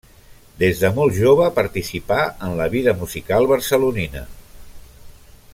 Des de molt jove participà en la vida musical barcelonina.